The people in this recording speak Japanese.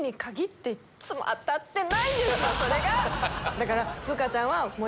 だから。